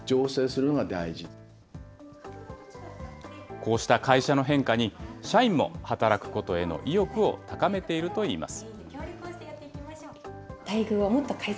こうした会社の変化に、社員も働くことへの意欲を高めているといいます。